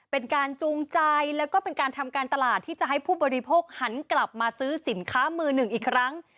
เป็นการจูงใจแล้วก็เป็นการทำการตลาดที่จะให้ผู้บริโภคหันกลับมาซื้อสินค้ามือหนึ่งอีกครั้ง